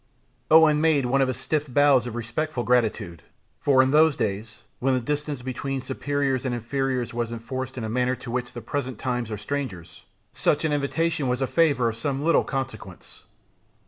Owen made one of his stiff bows of respectful gratitude; for, in those days, when the distance between superiors and inferiors was enforced in a manner to which the present times are strangers, such an invitation was a favour of some little consequence.